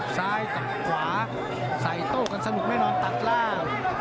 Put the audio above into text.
ซ้ายกับขวาใส่โต้กันสนุกแน่นอนตัดล่าง